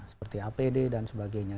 seperti apd dan sebagainya